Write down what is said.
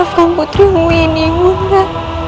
maafkan putrimu ini bunda